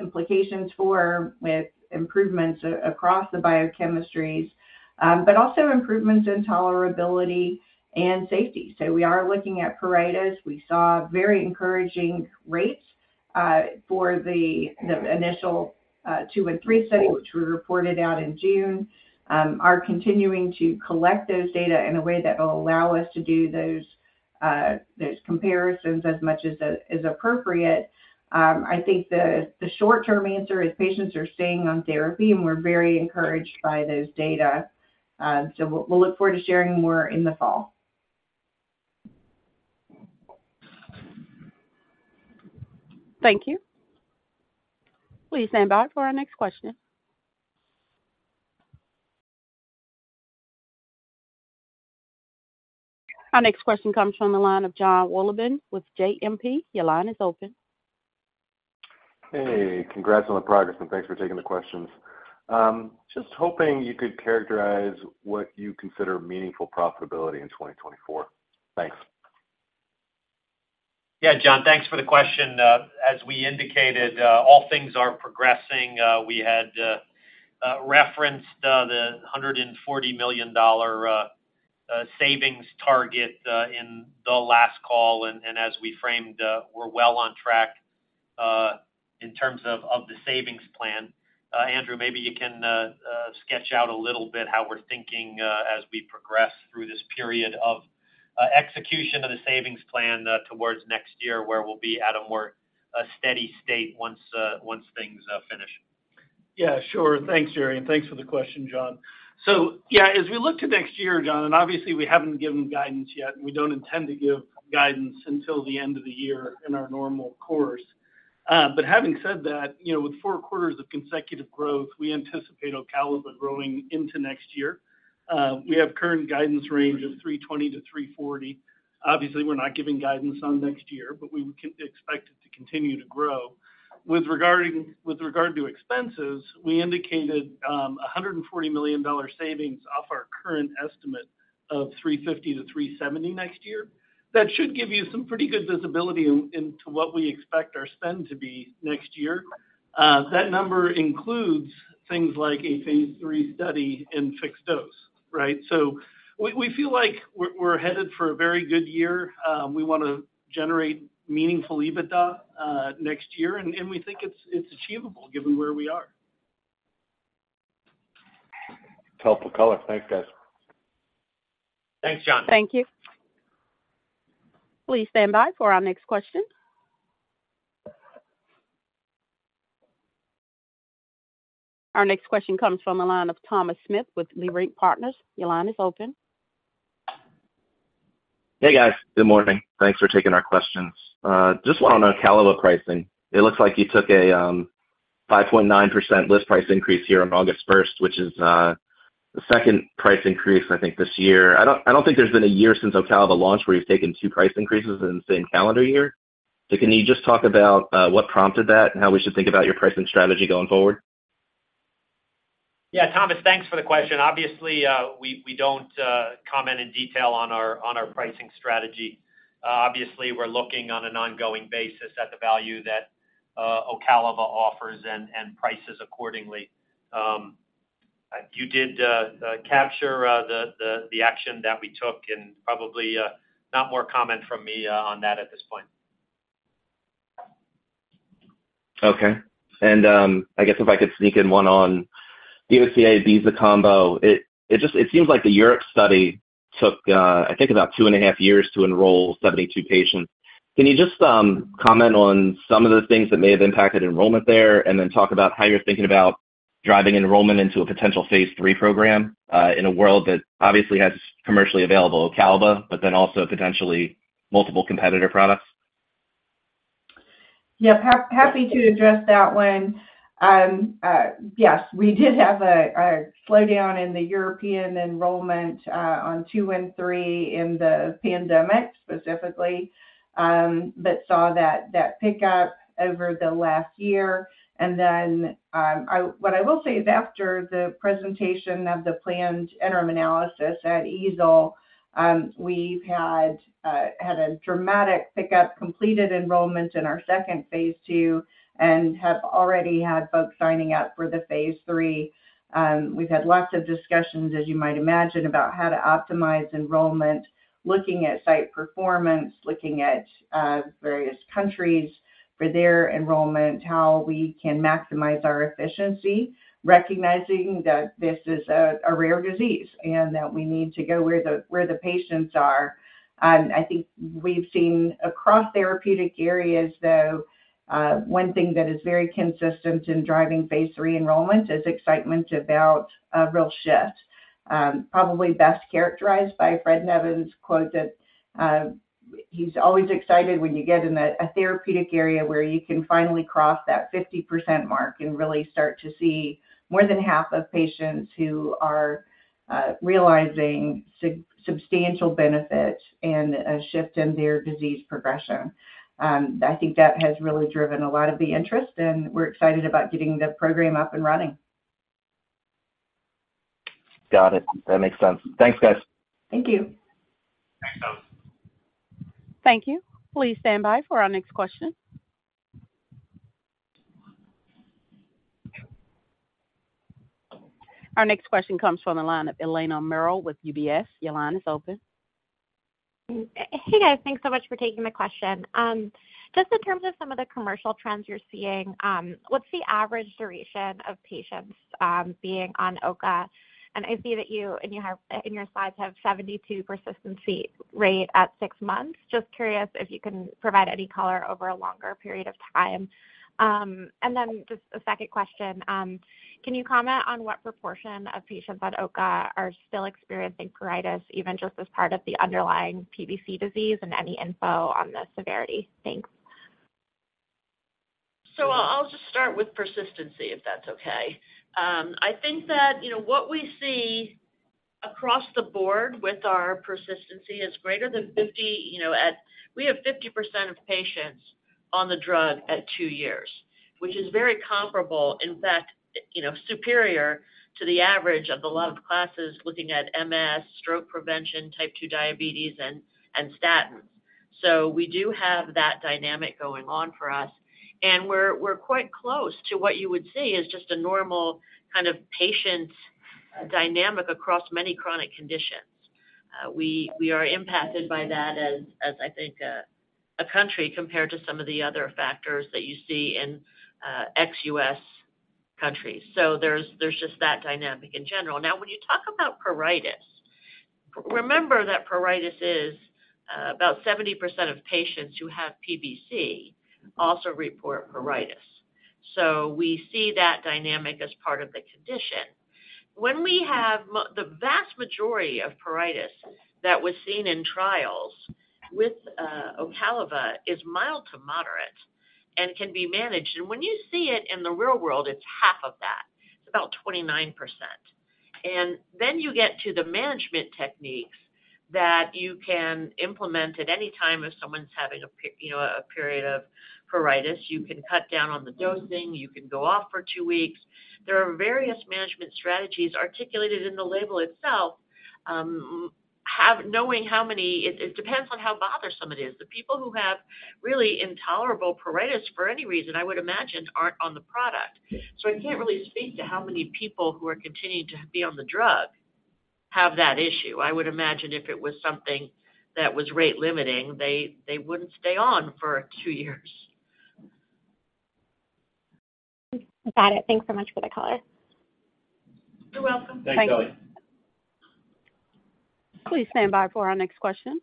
[SPEAKER 6] implications for, with improvements across the biochemistries, but also improvements in tolerability and safety. So we are looking at pruritus. We saw very encouraging rates for the, the initial Study 213 and Study 214, which were reported out in June. Are continuing to collect those data in a way that will allow us to do those comparisons as much as, as appropriate. I think the, the short-term answer is patients are staying on therapy, and we're very encouraged by those data. We'll, we'll look forward to sharing more in the fall.
[SPEAKER 1] Thank you. Please stand by for our next question. Our next question comes from the line of Jon Wolleben with JMP. Your line is open.
[SPEAKER 13] Hey, congrats on the progress, and thanks for taking the questions. Just hoping you could characterize what you consider meaningful profitability in 2024. Thanks.
[SPEAKER 3] Yeah, Jon, thanks for the question. As we indicated, all things are progressing. We had referenced the $140 million savings target in the last call. As we framed, we're well on track in terms of, of the savings plan. Andrew, maybe you can sketch out a little bit how we're thinking as we progress through this period of execution of the savings plan towards next year, where we'll be at a more steady state once once things finish.
[SPEAKER 4] Yeah, sure. Thanks, Jerry, and thanks for the question, Jon. Yeah, as we look to next year, Jon, and obviously we haven't given guidance yet, and we don't intend to give guidance until the end of the year in our normal course. Having said that, you know, with four quarters of consecutive growth, we anticipate Ocaliva growing into next year. We have current guidance range of $320-$340 million. Obviously, we're not giving guidance on next year, but we can expect it to continue to grow. With regard to expenses, we indicated $140 million savings off our current estimate of $350-$370 million next year. That should give you some pretty good visibility into what we expect our spend to be next year. That number includes things like a phase III study in fixed dose, right? We, we feel like we're, we're headed for a very good year. We wanna generate meaningful EBITDA next year, and we think it's, it's achievable given where we are.
[SPEAKER 13] Helpful color. Thanks, guys.
[SPEAKER 3] Thanks, Jon.
[SPEAKER 1] Thank you. Please stand by for our next question. Our next question comes from the line of Thomas Smith with Leerink Partners. Your line is open.
[SPEAKER 14] Hey, guys. Good morning. Thanks for taking our questions. Just one on Ocaliva pricing. It looks like you took a 5.9% list price increase here on August 1st, which is the second price increase, I think, this year. I don't, I don't think there's been a year since Ocaliva launch where you've taken two price increases in the same calendar year. Can you just talk about what prompted that and how we should think about your pricing strategy going forward?
[SPEAKER 3] Yeah, Thomas, thanks for the question. Obviously, we, we don't comment in detail on our, on our pricing strategy. Obviously, we're looking on an ongoing basis at the value that Ocaliva offers and, and prices accordingly. You did capture the, the, the action that we took, and probably not more comment from me on that at this point.
[SPEAKER 14] Okay. I guess if I could sneak in one on the Ocaliva/Beza combo. It, it just, it seems like the Europe study took, I think, about two and a half years to enroll 72 patients. Can you just, comment on some of the things that may have impacted enrollment there, and then talk about how you're thinking about driving enrollment into a potential phase III program, in a world that obviously has commercially available Ocaliva, but then also potentially multiple competitor products?
[SPEAKER 6] Happy to address that one. Yes, we did have a slowdown in the European enrollment on 213 in the pandemic specifically, but saw that pick up over the last year. What I will say is, after the presentation of the planned interim analysis at EASL, we've had had a dramatic pickup, completed enrollment in our second phase II and have already had folks signing up for the phase III. We've had lots of discussions, as you might imagine, about how to optimize enrollment, looking at site performance, looking at various countries for their enrollment, how we can maximize our efficiency, recognizing that this is a rare disease and that we need to go where the patients are. I think we've seen across therapeutic areas, though, one thing that is very consistent in driving phase III enrollment is excitement about a real shift, probably best characterized by Fred Nevens' quote that he's always excited when you get in a therapeutic area where you can finally cross that 50% mark and really start to see more than half of patients who are realizing substantial benefit and a shift in their disease progression. I think that has really driven a lot of the interest, and we're excited about getting the program up and running.
[SPEAKER 14] Got it. That makes sense. Thanks, guys.
[SPEAKER 6] Thank you.
[SPEAKER 5] Thanks, Thomas.
[SPEAKER 1] Thank you. Please stand by for our next question. Our next question comes from the line of Eliana Merle with UBS. Your line is open.
[SPEAKER 15] Hey, guys. Thanks so much for taking my question. Just in terms of some of the commercial trends you're seeing, what's the average duration of patients being on Ocaliva? I see that you have, in your slides, 72% persistency rate at 6 months. Just curious if you can provide any color over a longer period of time. Then just a second question, can you comment on what proportion of patients on Ocaliva are still experiencing pruritus, even just as part of the underlying PBC disease, and any info on the severity? Thanks.
[SPEAKER 5] I'll just start with persistency, if that's okay. I think that, you know, what we see across the board with our persistency is greater than 50, you know, at... We have 50% of patients on the drug at two years, which is very comparable, in fact, you know, superior to the average of the loved classes looking at MS, stroke prevention, type II diabetes, and, and statins. We, we are impacted by that as, as, I think, a country compared to some of the other factors that you see in ex-US countries. There's, there's just that dynamic in general. When you talk about pruritus, remember that pruritus is about 70% of patients who have PBC also report pruritus. We see that dynamic as part of the condition. When we have the vast majority of pruritus that was seen in trials with Ocaliva, is mild to moderate and can be managed. When you see it in the real world, it's half of that. It's about 29%. Then you get to the management techniques that you can implement at any time if someone's having you know, a period of pruritus. You can cut down on the dosing. You can go off for two weeks. There are various management strategies articulated in the label itself. Knowing how many, it, it depends on how bothersome it is. The people who have really intolerable pruritus for any reason, I would imagine, aren't on the product. I can't really speak to how many people who are continuing to be on the drug have that issue. I would imagine if it was something that was rate-limiting, they wouldn't stay on for two years.
[SPEAKER 15] Got it. Thanks so much for the color.
[SPEAKER 5] You're welcome. Thanks, Elena.
[SPEAKER 1] Please stand by for our next question.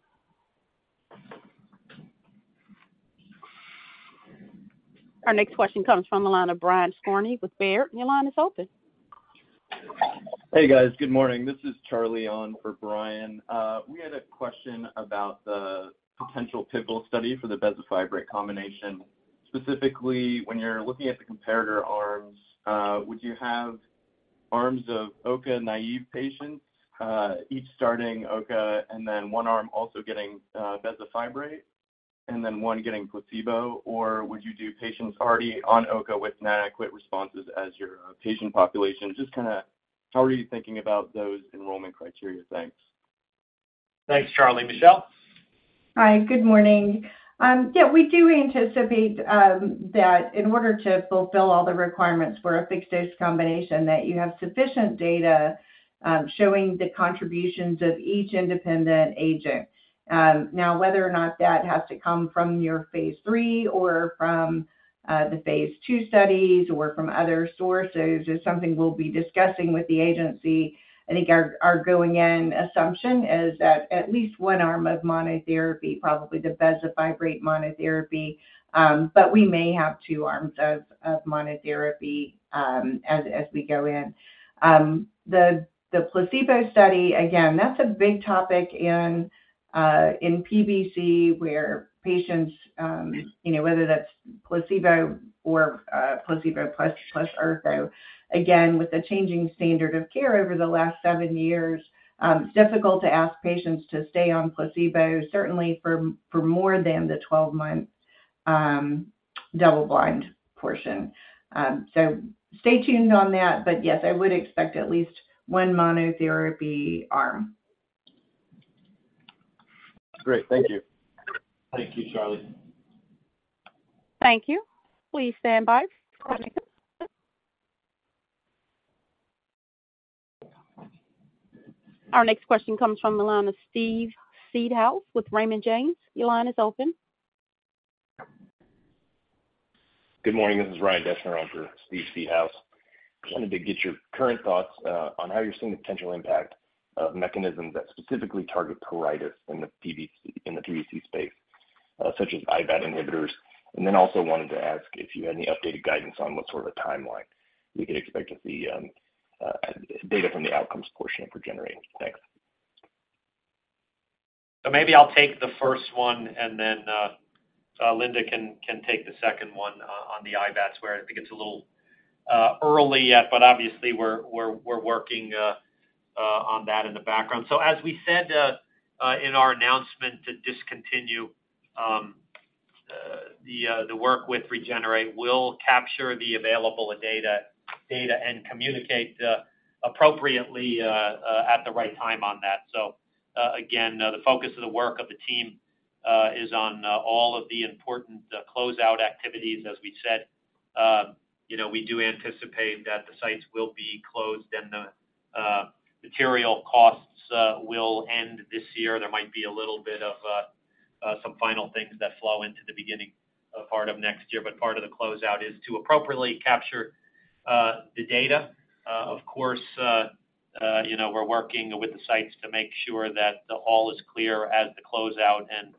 [SPEAKER 1] Our next question comes from the line of Brian Skorney with Baird. Your line is open.
[SPEAKER 16] Hey, guys. Good morning. This is Charlie on for Brian. We had a question about the potential pivotal study for the bezafibrate combination. Specifically, when you're looking at the comparator arms, would you have arms of Ocaliva-naive patients, each starting Ocaliva and then one arm also getting, bezafibrate and then one getting placebo? Or would you do patients already on Ocaliva with inadequate responses as your patient population? Just kinda, how are you thinking about those enrollment criteria? Thanks.
[SPEAKER 3] Thanks, Charlie. Michelle?
[SPEAKER 6] Hi, good morning. Yeah, we do anticipate that in order to fulfill all the requirements for a fixed-dose combination, that you have sufficient data, showing the contributions of each independent agent. Now, whether or not that has to come from your phase III or from the phase II studies or from other sources is something we'll be discussing with the agency. I think our, our going-in assumption is that at least 1 arm of monotherapy, probably the bezafibrate monotherapy, but we may have two arms of, of monotherapy, as, as we go in. The, the placebo study, again, that's a big topic in PBC, where patients, you know, whether that's placebo or placebo plus, plus Urso. With the changing standard of care over the last seven years, it's difficult to ask patients to stay on placebo, certainly for, for more than the 12-month double-blind portion. Stay tuned on that, but yes, I would expect at least one monotherapy arm.
[SPEAKER 16] Great. Thank you.
[SPEAKER 3] Thank you, Charlie.
[SPEAKER 1] Thank you. Please stand by for our next. Our next question comes from the line of Steven Seedhouse with Raymond James. Your line is open.
[SPEAKER 17] Good morning. This is Ryan Deschner on for Steven Seedhouse. Just wanted to get your current thoughts on how you're seeing the potential impact of mechanisms that specifically target pruritus in the PBC, in the PBC space, such as IBAT inhibitors. Also wanted to ask if you had any updated guidance on what sort of a timeline we could expect to see data from the outcomes portion of REGENERATE. Thanks.
[SPEAKER 3] Maybe I'll take the first one, and then Linda can take the second one, on the IBATs, where I think it's a little early yet, but obviously we're, we're, we're working on that in the background. As we said, in our announcement to discontinue the work with REGENERATE, we'll capture the available data, data and communicate appropriately at the right time on that. Again, the focus of the work of the team is on all of the important closeout activities. As we said, you know, we do anticipate that the sites will be closed and the material costs will end this year. There might be a little bit of some final things that flow into the beginning part of next year, but part of the closeout is to appropriately capture the data. Of course, you know, we're working with the sites to make sure that the all is clear as the closeout and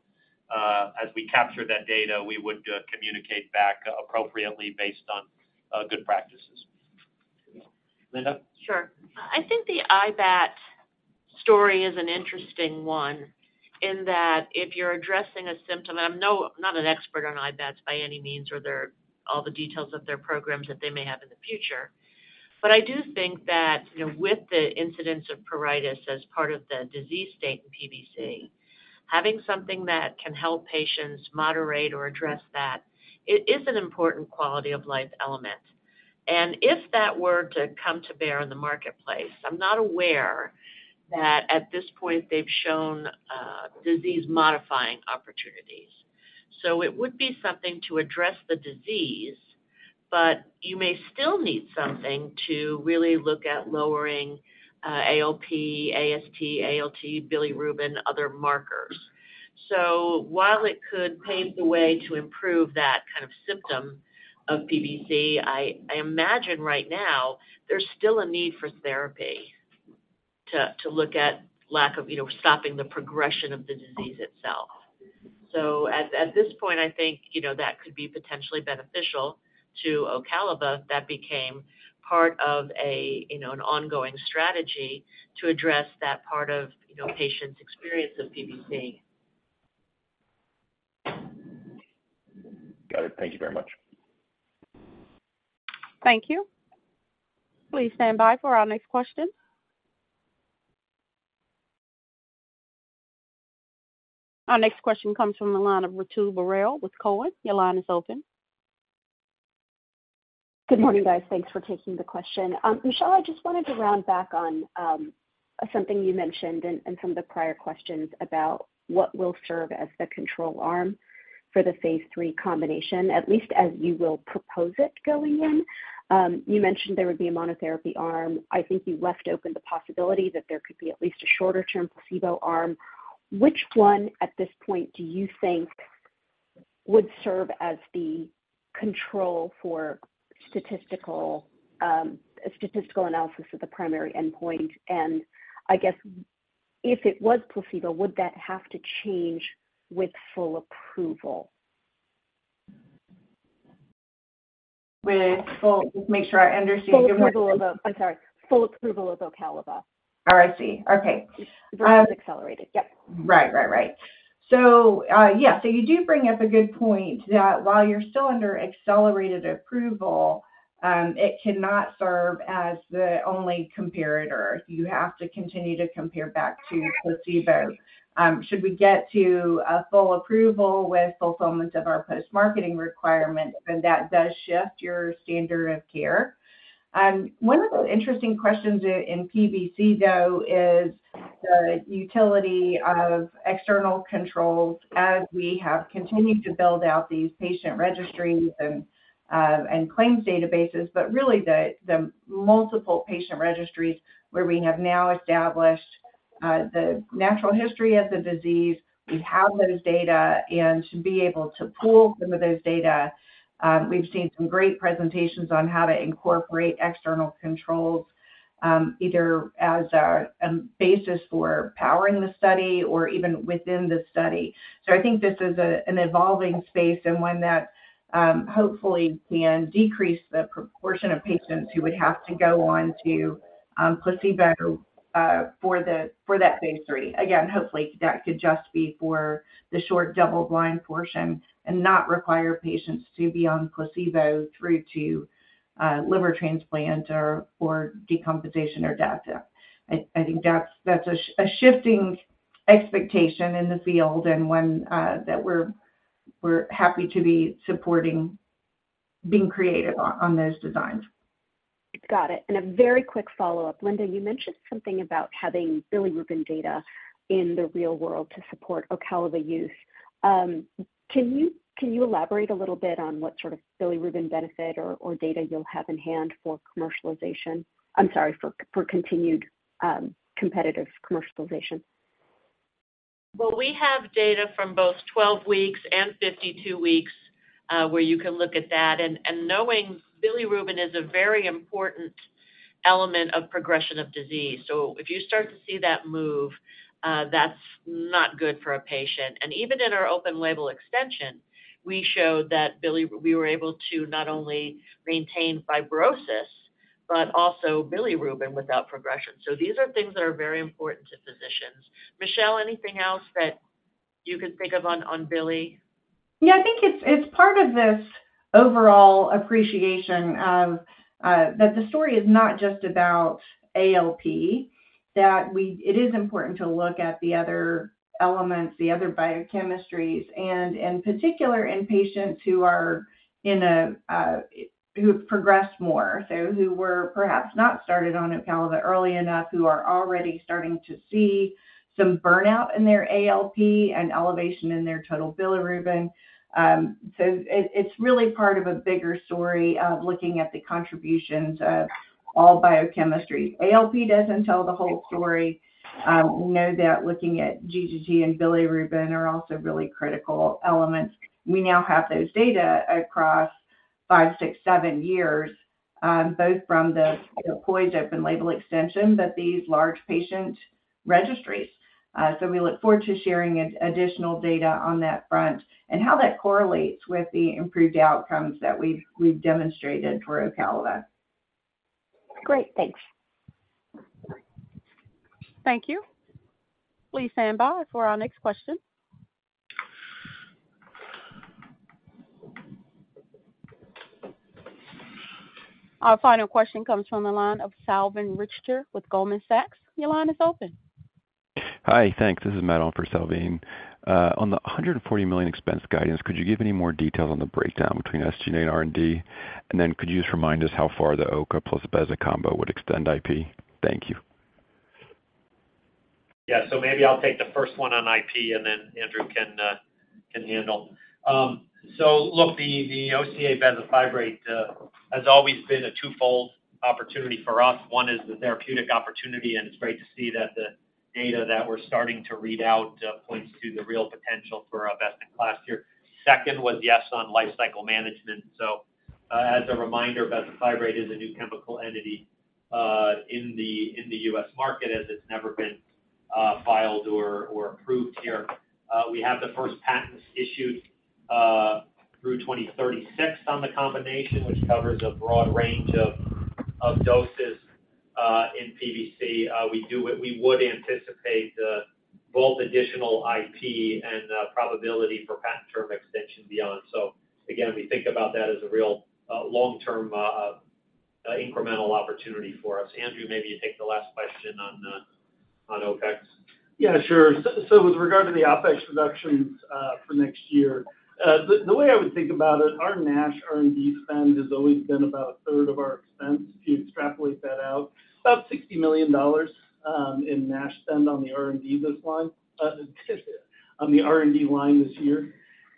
[SPEAKER 3] as we capture that data, we would communicate back appropriately based on good practices. Linda.
[SPEAKER 5] Sure. I think the IBAT story is an interesting one in that if you're addressing a symptom, and I'm not an expert on IBATs by any means, or their, all the details of their programs that they may have in the future. I do think that, you know, with the incidence of pruritus as part of the disease state in PBC, having something that can help patients moderate or address that, it is an important quality-of-life element. If that were to come to bear in the marketplace, I'm not aware that at this point they've shown disease-modifying opportunities. It would be something to address the disease, but you may still need something to really look at lowering ALP, AST, ALT, bilirubin, other markers. While it could pave the way to improve that kind of symptom of PBC, I, I imagine right now there's still a need for therapy to, to look at lack of, you know, stopping the progression of the disease itself. At, at this point, I think, you know, that could be potentially beneficial to Ocaliva, that became part of a, you know, an ongoing strategy to address that part of, you know, patients' experience of PBC.
[SPEAKER 17] Got it. Thank you very much.
[SPEAKER 1] Thank you. Please stand by for our next question. Our next question comes from the line of Ritu Baral with Cowen. Your line is open.
[SPEAKER 16] Good morning, guys. Thanks for taking the question. Michelle, I just wanted to round back on, something you mentioned and some of the prior questions about what will serve as the control arm for the phase III combination, at least as you will propose it going in. You mentioned there would be a monotherapy arm. I think you left open the possibility that there could be at least a shorter-term placebo arm. Which one, at this point, do you think would serve as the control for statistical analysis of the primary endpoint? I guess if it was placebo, would that have to change with full approval?
[SPEAKER 6] With full, make sure I understand.
[SPEAKER 18] Full approval of, I'm sorry, full approval of Ocaliva.
[SPEAKER 6] Oh, I see. Okay.
[SPEAKER 18] Versus accelerated, yep.
[SPEAKER 6] Right, right, right. Yeah, so you do bring up a good point that while you're still under accelerated approval, it cannot serve as the only comparator. You have to continue to compare back to placebo. Should we get to a full approval with fulfillment of our post-marketing requirement, that does shift your standard of care. One of the interesting questions in PBC, though, is the utility of external controls as we have continued to build out these patient registries and claims databases, but really the multiple patient registries where we have now established the natural history of the disease. We have those data and should be able to pull some of those data. We've seen some great presentations on how to incorporate external controls, either as a basis for powering the study or even within the study. I think this is an evolving space and one that hopefully can decrease the proportion of patients who would have to go on to placebo for the, for that phase III. Again, hopefully, that could just be for the short double-blind portion and not require patients to be on placebo through to liver transplant or decompensation or death. I think that's a shifting expectation in the field and one that we're happy to be supporting, being creative on, on those designs.
[SPEAKER 18] Got it. A very quick follow-up. Linda, you mentioned something about having bilirubin data in the real world to support Ocaliva use. Can you elaborate a little bit on what sort of bilirubin benefit or data you'll have in hand for commercialization? I'm sorry, for continued competitive commercialization.
[SPEAKER 5] We have data from both 12 weeks and 52 weeks where you can look at that, and knowing bilirubin is a very important element of progression of disease. If you start to see that move, that's not good for a patient. Even in our open-label extension, we showed that we were able to not only maintain fibrosis, but also bilirubin without progression. These are things that are very important to physicians. Michelle, anything else that you can think of on, on bili?
[SPEAKER 6] Yeah, I think it's, it's part of this overall appreciation that the story is not just about ALP, that it is important to look at the other elements, the other biochemistries, and in particular, in patients who are in a who've progressed more, so who were perhaps not started on Ocaliva early enough, who are already starting to see some burnout in their ALP and elevation in their total bilirubin. It's really part of a bigger story of looking at the contributions of all biochemistry. ALP doesn't tell the whole story. We know that looking at GGT and bilirubin are also really critical elements. We now have those data across five, six, seven years, both from the deployed open-label extension, but these large patient registries. We look forward to sharing an additional data on that front and how that correlates with the improved outcomes that we've demonstrated for Ocaliva.
[SPEAKER 18] Great. Thanks.
[SPEAKER 1] Thank you. Please stand by for our next question. Our final question comes from the line of Salveen Richter with Goldman Sachs. Your line is open.
[SPEAKER 19] Hi, thanks. This is Matt on for Salveen. On the $140 million expense guidance, could you give any more detail on the breakdown between SG&A and R&D? Could you just remind us how far the Ocaliva plus beza combo would extend IP? Thank you.
[SPEAKER 3] Yeah, maybe I'll take the first one on IP and then Andrew can handle. Look, the Ocaliva bezafibrate has always been a twofold opportunity for us. One is the therapeutic opportunity, and it's great to see that the data that we're starting to read out points to the real potential for our best-in-class here. Second was yes, on lifecycle management. As a reminder, bezafibrate is a new chemical entity in the US market, as it's never been filed or approved here. We have the first patents issued through 2036 on the combination, which covers a broad range of doses in PBC. We would anticipate both additional IP and probability for patent term extension beyond. Again, we think about that as a real, long-term, incremental opportunity for us. Andrew, maybe you take the last question on OpEx.
[SPEAKER 4] Yeah, sure. With regard to the OpEx reductions, for next year, the way I would think about it, our NASH R&D spend has always been about a third of our expense. To extrapolate that out, about $60 million in NASH spend on the R&D on the R&D line this year.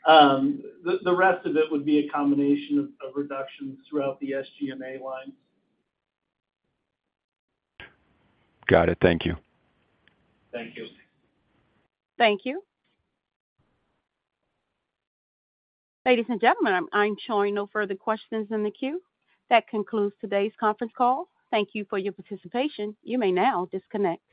[SPEAKER 4] The rest of it would be a combination of, of reductions throughout the SG&A line.
[SPEAKER 19] Got it. Thank you.
[SPEAKER 3] Thank you.
[SPEAKER 1] Thank you. Ladies and gentlemen, I'm showing no further questions in the queue. That concludes today's conference call. Thank you for your participation. You may now disconnect.